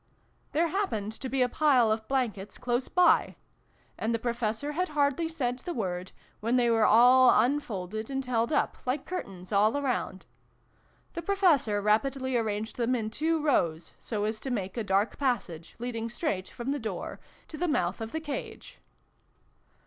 " There happened to be a pile of blankets close by: and the Professor had hardly said the word, when they were all unfolded and held up like curtains all around. The Professor rapidly arranged them in two rows, so as to make a dark passage, leading straight from the door to the mouth of the cage.